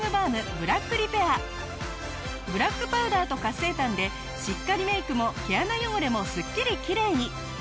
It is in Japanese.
ブラックパウダーと活性炭でしっかりメイクも毛穴汚れもすっきりきれいに。